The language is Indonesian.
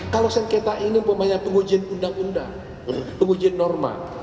kalau sengketa ini umpamanya pengujian undang undang pengujian norma